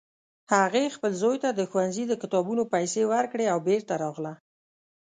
هغې خپل زوی ته د ښوونځي د کتابونو پیسې ورکړې او بیرته راغله